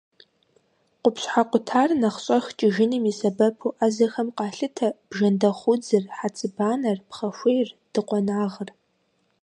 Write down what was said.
Къупщхьэ къутар нэхъ щӏэх кӏыжыным и сэбэпу ӏэзэхэм къалъытэ бжэндэхъу удзыр, хьэцыбанэр, пхъэхуейр, дыкъуэнагъыр.